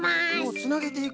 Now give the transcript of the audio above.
つなげていく。